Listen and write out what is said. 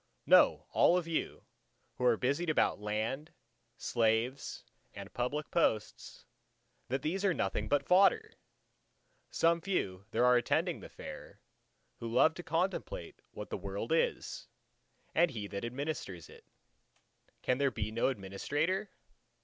Know all of you, who are busied about land, slaves and public posts, that these are nothing but fodder! Some few there are attending the Fair, who love to contemplate what the world is, what He that administers it. Can there be no Administrator?